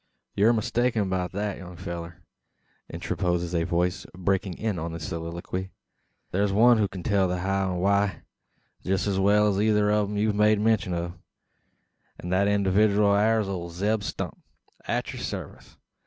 "Yur mistaken beout thet, young fellur," interposes a voice breaking in on the soliloquy. "Thur's one who kin tell the how and the why, jest as well as eyther o' them ye've made mention o'; and thet individooal air ole Zeb Stump, at your sarvice.